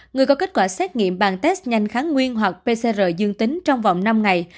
người có kết quả xét nghiệm bằng test nhanh kháng nguyên hoặc pcr dương tính trong vòng năm ngày